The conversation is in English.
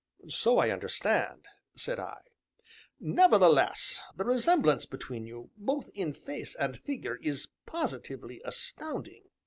"So I understand," said I. "Nevertheless, the resemblance between you, both in face and figure, is positively astounding!